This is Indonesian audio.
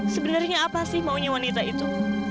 sebenarnya apa sih maunya wanita itu